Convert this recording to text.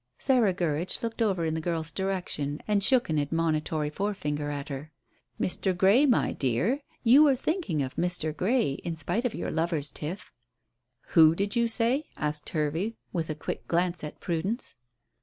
Sarah Gurridge looked over in the girl's direction and shook an admonitory forefinger at her. "Mr. Grey, my dear you were thinking of Mr. Grey, in spite of your lover's tiff." "Who did you say?" asked Hervey, with a quick glance at Prudence.